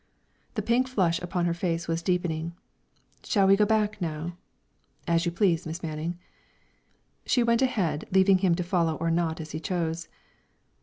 The pink flush upon her face deepened. "Shall we go back, now?" "As you please, Miss Manning." She went ahead, leaving him to follow or not as he chose.